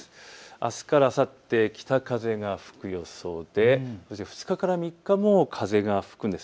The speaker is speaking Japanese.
あすからあさって、北風が吹く予想で２日から３日も風が吹くんです。